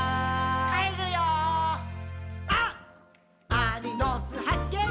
アリの巣はっけん